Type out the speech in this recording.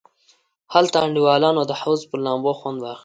هلته انډیوالانو د حوض پر لامبو خوند واخیست.